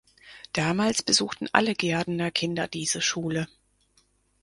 Damals besuchten alle Gehrdener Kinder diese Schule.